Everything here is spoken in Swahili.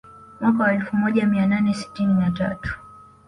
Mwaka wa elfu moja mia nane sitini na tatu